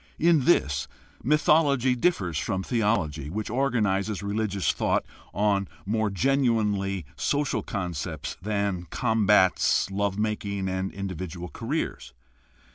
In this, mythology differs from theology, which organizes religious thought on more genuinely social concepts than combats, love making, and individual careers.